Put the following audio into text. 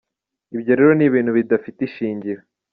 Ibyo rero ni ibintu bidafite ishingiro.